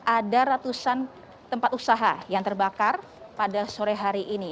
ada ratusan tempat usaha yang terbakar pada sore hari ini